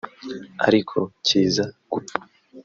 ariko kiza gupfa